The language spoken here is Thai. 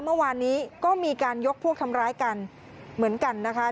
เมื่อวานนี้ก็มีการยกพวกทำร้ายกันเหมือนกันนะคะ